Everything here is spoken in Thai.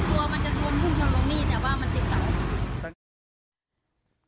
กลัวมันจะชนพุ่งชนลงมีดแต่ว่ามันติดเสา